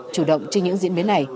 chủ động trên những diễn biến này